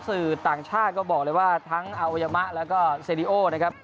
สื่อต่างชาติก็บอกเลยว่าทั้งอวัยมะแล้วก็เซดีโอนะครับ